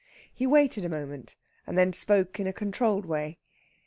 He waited a moment, and then spoke in a controlled way.